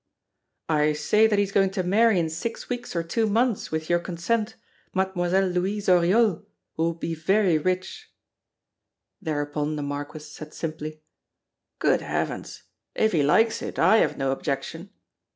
"I say that he is going to marry in six weeks or two months, with your consent, Mademoiselle Louise Oriol, who will be very rich." Thereupon the Marquis said simply: "Good heavens! if he likes it, I have no objection."